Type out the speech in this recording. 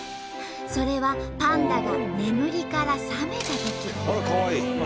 それはパンダが眠りから覚めたとき。